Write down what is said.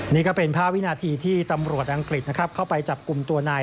นี่ก็เป็นภาพวินาทีที่ตำรวจอังกฤษนะครับเข้าไปจับกลุ่มตัวนาย